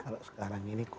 kalau sekarang ini kurang